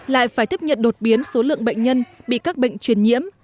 lại phải tiếp nhận đột biến số lượng bệnh nhân bị các bệnh truyền nhiễm